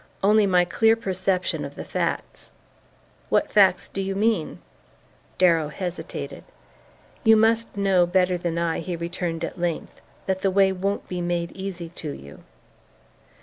"Only my clear perception of the facts." "What facts do you mean?" Darrow hesitated. "You must know better than I," he returned at length, "that the way won't be made easy to you."